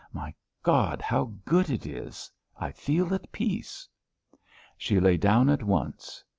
My God, how good it is! I feel at peace." She lay down at once.